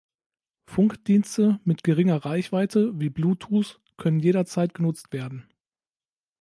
Funkdienste mit geringer Reichweite wie Bluetooth können jederzeit genutzt werden.